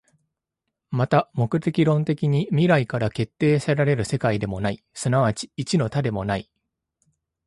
また目的論的に未来から決定せられる世界でもない、即ち一の多でもない。